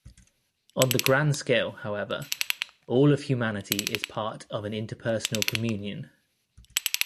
On the grand scale, however, all of humanity is part of an interpersonal communion.